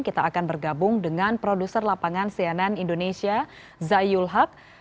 kita akan bergabung dengan produser lapangan cnn indonesia zayul haq